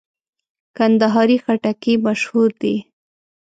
کندهاري خټکی مشهور دی.